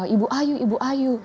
ibu ayu ibu ayu